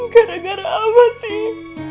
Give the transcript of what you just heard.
gara gara apa sih